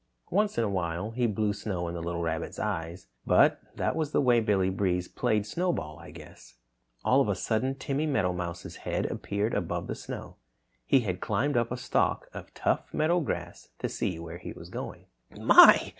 Once in a while he blew snow in the little rabbit's eyes, but that was the way Billy Breeze played snowball, I guess. All of a sudden Timmy Meadowmouse's head appeared above the snow. He had climbed up a stalk of tough meadowgrass to see where he was going. "My!